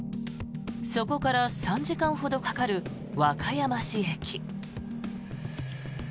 そこから３時間ほどかかる和歌山市駅。